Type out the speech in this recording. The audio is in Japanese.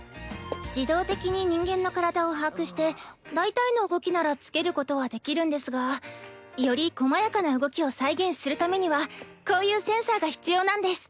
自動的に人間の体を把握してだいたいの動きなら付けることはできるんですがより細やかな動きを再現するためにはこういうセンサーが必要なんです。